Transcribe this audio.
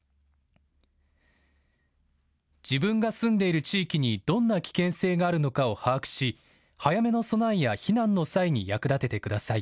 自分が住んでいる地域にどんな危険性があるのかを把握し早めの備えや避難の際に役立ててください。